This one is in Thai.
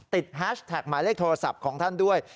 แฮชแท็กหมายเลขโทรศัพท์ของท่านด้วย